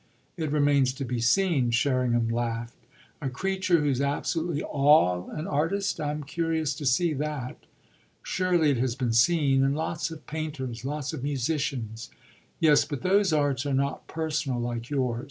"It remains to be seen," Sherringham laughed. "A creature who's absolutely all an artist I'm curious to see that." "Surely it has been seen in lots of painters, lots of musicians." "Yes, but those arts are not personal like yours.